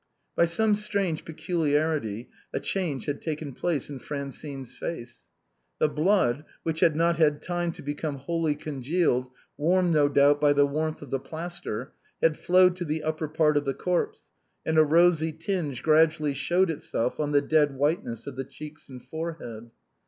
By some strange peculiarity a change had taken place in Francine's face. The bloody which had not had time to become wholly congealed, warmed no doubt by the warmth of the plaster, had flowed to the upper part of the corpse and a rosy tinge gradually showed itself on the dead white ness of the cheeks and forehead.